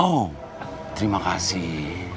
oh terima kasih